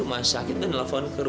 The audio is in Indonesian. lepas kayak ini lo belum pulang juga ya